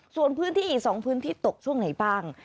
ส่วนพื้นที่อีก๒พื้นที่ตกช่วงไหนบ้าง